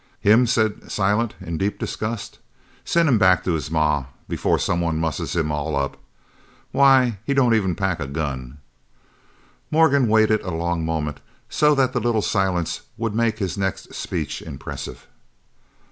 "Him?" said Silent in deep disgust. "Send him back to his ma before somebody musses him all up! Why, he don't even pack a gun!" Morgan waited a long moment so that the little silence would make his next speech impressive.